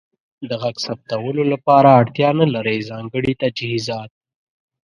د غږ ثبتولو لپاره اړتیا نلرئ ځانګړې تجهیزات.